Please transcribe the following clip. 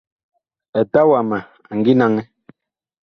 Eta wama a ngi naŋɛ.